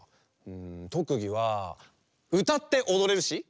とくぎはうたっておどれるし。